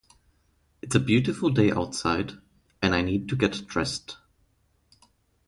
It's a beautiful day outside, and I need to get dressed.